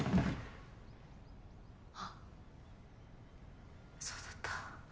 あっそうだった。